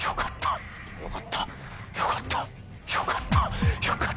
よかった。